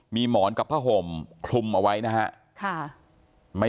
มีหมอนกับผ้าห่มคลุมเอาไว้นะฮะ